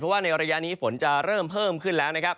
เพราะว่าในระยะนี้ฝนจะเริ่มเพิ่มขึ้นแล้ว